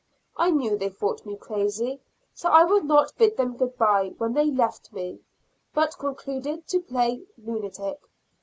I knew they thought me crazy, so I would not bid them good bye, when they left me, but concluded to play lunatic.